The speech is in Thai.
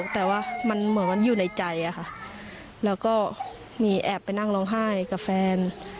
แต่ว่ามันเหมือนมันอยู่ในใจอะค่ะแล้วก็มีแอบไปนั่งร้องไห้กับแฟน